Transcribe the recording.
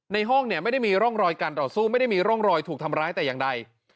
ห้องเนี่ยไม่ได้มีร่องรอยการต่อสู้ไม่ได้มีร่องรอยถูกทำร้ายแต่อย่างใด